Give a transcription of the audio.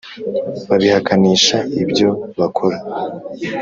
Babihakanisha ibyo bakora